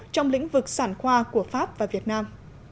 trong lĩnh vực sản khoa của pháp và việt nam